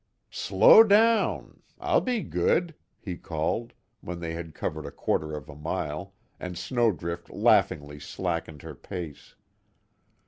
"Slow down! I'll be good!" he called, when they had covered a quarter of a mile, and Snowdrift laughingly slackened her pace.